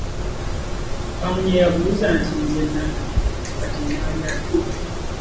Kamunye yamubuuza nti “nze kati nnaalya ki?"